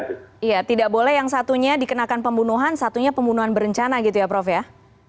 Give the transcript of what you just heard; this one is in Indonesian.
iya tidak boleh yang satunya dikenakan pembunuhan satunya pembunuhan berencana gitu ya prof ya